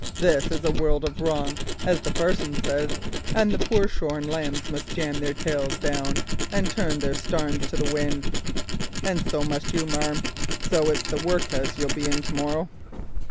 This is a world of wrong, as the parson says, and the poor shorn lambs must jamb their tails down and turn their backs to the wind, and so must you, marm. So it's the workhus you'll be in to morrow.